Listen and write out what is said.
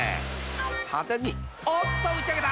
［派手におっと打ち上げた！